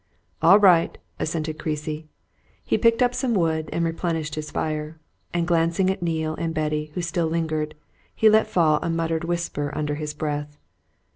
"All right!" assented Creasy. He picked up some wood and replenished his fire. And glancing at Neale and Betty, who still lingered, he let fall a muttered whisper under his breath.